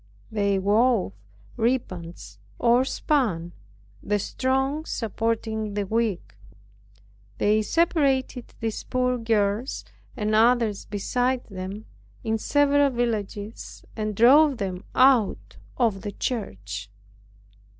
They wove ribbands, or spun, the strong supporting the weak. They separated these poor girls, and others beside them, in several villages, and drove them out of the church.